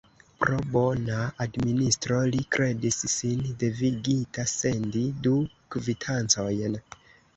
Pro bona administro, li kredis sin devigita sendi du kvitancojn!